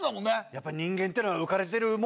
やっぱ人間っていうのは浮かれてるもんだよね。